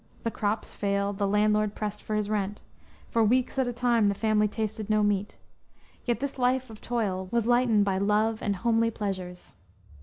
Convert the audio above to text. The crops failed; the landlord pressed for his rent; for weeks at a time the family tasted no meat; yet this life of toil was lightened by love and homely pleasures.